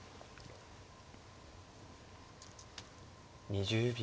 ２０秒。